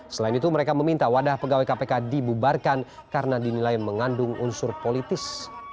selain itu mereka meminta wadah pegawai kpk dibubarkan karena dinilai mengandung unsur politis